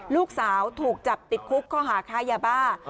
ลูกสาวถูกจับติดคุกข้อหาค้ายาบ้า